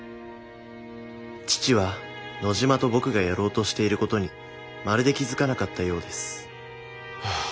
父は野嶋と僕がやろうとしていることにまるで気付かなかったようですはあ。